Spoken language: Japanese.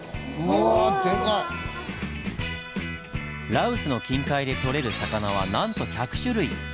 羅臼の近海で取れる魚はなんと１００種類！